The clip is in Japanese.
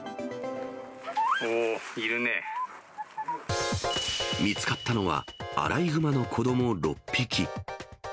おー、見つかったのは、アライグマの子ども６匹。